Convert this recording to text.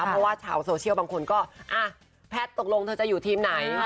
เพราะว่าชาวโซเชียลบางคนก็แพทย์ตกลงเธอจะอยู่ทีมไหน